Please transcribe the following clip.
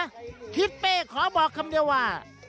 ทิศเป้ขอบอกคำเดียวว่า